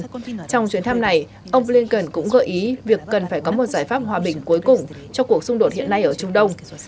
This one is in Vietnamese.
trong chuyến thăm này ông blinken cũng gợi ý việc cần phải có một giải pháp hòa bình cuối cùng cho cuộc xung đột hiện nay ở trung đông